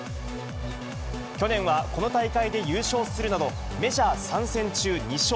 去年はこの大会で優勝するなど、メジャー３戦中２勝。